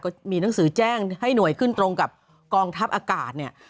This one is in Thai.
ก็มีหนังสือแจ้งให้หน่วยขึ้นตรงกับกองทัพอากาศเนี่ย